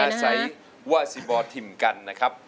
อาศัยว่าสิบอลทิมกันนะครับ